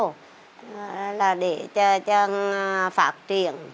thế là để cho nó phát triển